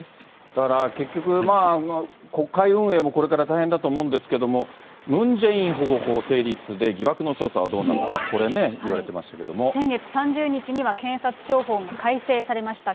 だから結局、国会運営もこれから大変だと思うんですけれども、ムン・ジェイン保護法成立で、疑惑の捜査はどうなるか、これね、先月３０日には、検察庁法が改正されました。